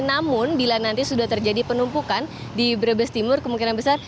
namun bila nanti sudah terjadi penumpukan di brebes timur kemungkinan besar